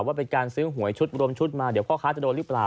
ว่าเป็นการซื้อหวยชุดรวมชุดมาเดี๋ยวพ่อค้าจะโดนหรือเปล่า